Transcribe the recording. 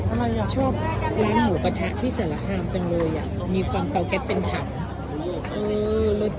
อะไรอ่ะชอบหัวปะทะที่สารทางจังเลยอ่ะมีความเตาแก๊สเป็นผักเออ